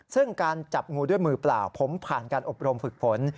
ซึ่งการจับงูด้วยมือเปล่าผมผ่านการอบรมฝึกฝน